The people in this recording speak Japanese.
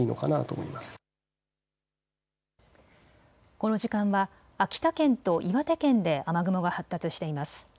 この時間は秋田県と岩手県で雨雲が発達しています。